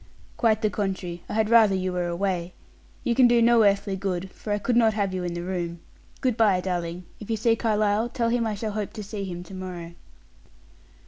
"Quite the contrary; I had rather you were away. You can do no earthly good, for I could not have you in the room. Good bye, darling. If you see Carlyle, tell him I shall hope to see him to morrow."